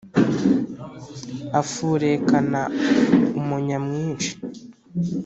Afurekana umunya mwinshi!